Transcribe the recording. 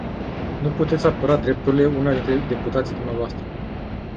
Nu puteți apăra drepturile unuia dintre deputații dvs.